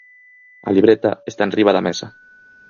A libreta está enriba da mesa.